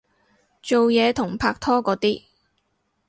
做嘢同拍拖嗰啲